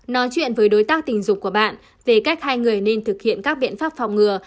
nói chuyện với đối tác tình dục của bạn về cách hai người nên thực hiện các biện pháp phòng ngừa